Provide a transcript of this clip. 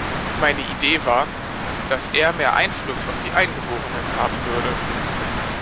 Meine Idee war, dass er mehr Einfluss auf die Eingeborenen haben würde.